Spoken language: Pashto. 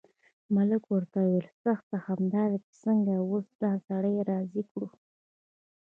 ملک ورته وویل سخته همدا ده چې څنګه اوس دا سړی راضي کړو.